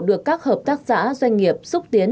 được các hợp tác giã doanh nghiệp xúc tiến